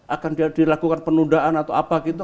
akan dilakukan penundaan atau apa gitu